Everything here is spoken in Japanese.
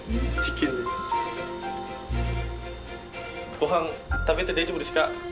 ごはん食べて大丈夫ですか？